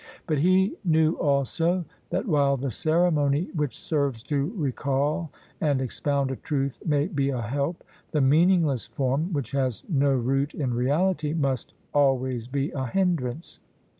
But he knew also that while the ceremony which serves to recall and expound a truth may be a help, the meaningless form, which has no root in reality, must always be a hindrance.